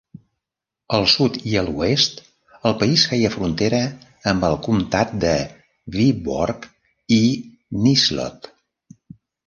Al sud i a l'oest, el país feia frontera amb el comtat de Viborg i Nyslott.